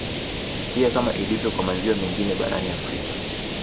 Pia kama ilivyo kwa maziwa mengine barani Afrika